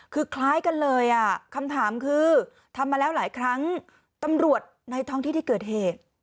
คือคล้ายกันเลยอ่ะคำถามคือทำมาแล้วหลายครั้งตำรวจในท้องที่ที่เกิดเหตุ